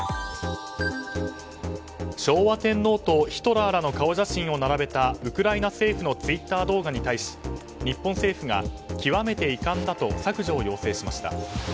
昭和天皇とヒトラーらの顔写真を並べたウクライナ政府のツイッター動画に対し日本政府が極めて遺憾だと削除を要請しました。